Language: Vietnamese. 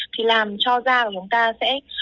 thì làm cho da của chúng ta sẽ